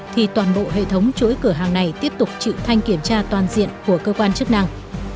thì toàn bộ hệ thống chuỗi cửa hàng này tiếp tục chịu thanh kiểm tra toàn diện của cơ quan chức năng